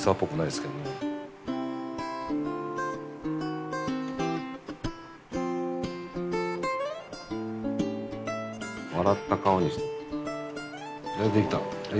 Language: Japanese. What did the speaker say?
できた。